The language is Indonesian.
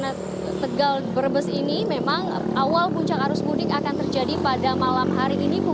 nah tegal brebes ini memang awal puncak arus mudik akan terjadi pada malam hari ini bu